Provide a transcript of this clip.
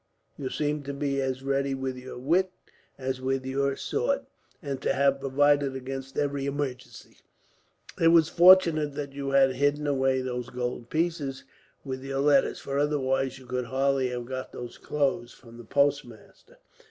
"You seem to be as ready with your wits as with your sword, and to have provided against every emergency. It was fortunate that you had hidden away those gold pieces, with your letters; for otherwise you could hardly have got those clothes from the postmaster.